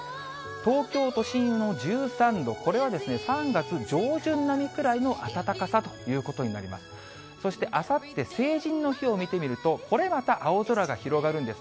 東京都心の１３度、これは３月上旬並みくらいの暖かさということになります。